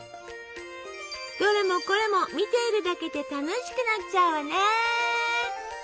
どれもこれも見ているだけで楽しくなっちゃうわね！